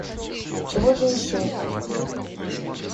Чего же еще нужно?